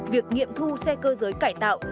việc nghiệm thu xe cơ giới cải tạo